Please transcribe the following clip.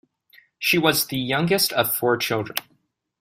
She was the youngest of four children.